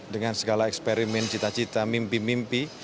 dengan segala eksperimen cita cita mimpi mimpi